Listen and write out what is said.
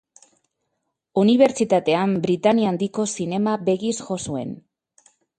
Unibertsitatean Britania Handiko zinema begiz jo zuen.